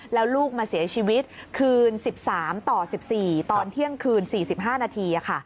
แล้วลูกมาเสียชีวิตคืน๑๓ต่อ๑๔ตอนเที่ยงคืน๔๕นาที